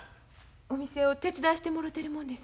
お店を手伝わしてもろてるもんです。